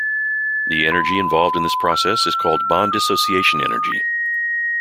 The energy involved in this process is called bond dissociation energy.